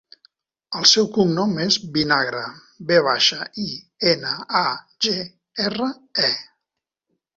El seu cognom és Vinagre: ve baixa, i, ena, a, ge, erra, e.